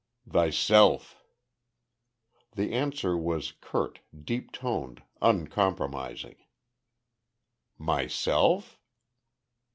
"Thyself." The answer was curt, deep toned, uncompromising. "Myself?"